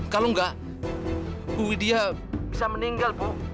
kalau enggak bu widia bisa meninggal bu